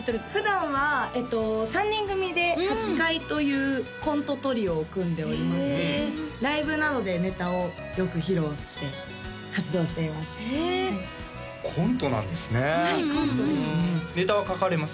普段は３人組でハチカイというコントトリオを組んでおりましてライブなどでネタをよく披露して活動していますへえコントなんですねはいコントですねネタは書かれます？